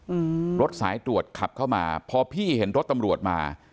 อืมรถสายตรวจขับเข้ามาพอพี่เห็นรถตำรวจมา